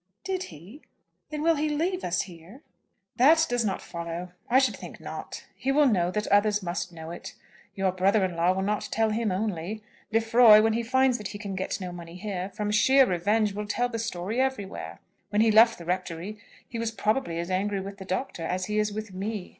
"Did he? Then will he leave us here?" "That does not follow. I should think not. He will know that others must know it. Your brother in law will not tell him only. Lefroy, when he finds that he can get no money here, from sheer revenge will tell the story everywhere. When he left the rectory, he was probably as angry with the Doctor as he is with me.